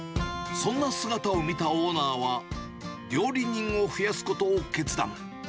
そんな姿を見たオーナーは、料理人を増やすことを決断。